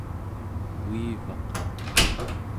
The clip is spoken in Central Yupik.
uivaq